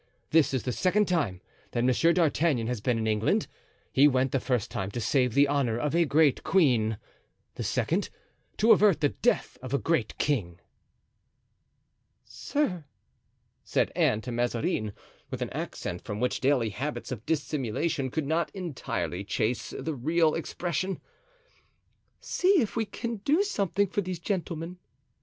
This is the second time that Monsieur d'Artagnan has been in England. He went the first time to save the honor of a great queen; the second, to avert the death of a great king." "Sir," said Anne to Mazarin, with an accent from which daily habits of dissimulation could not entirely chase the real expression, "see if we can do something for these gentlemen."